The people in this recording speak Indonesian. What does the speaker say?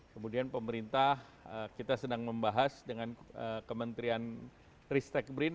kemudian pemerintah kita sedang membahas dengan kementerian ristek brin